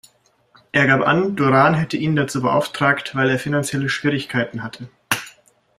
Er gab an, Durán hätte ihn dazu beauftragt, weil er finanzielle Schwierigkeiten hatte.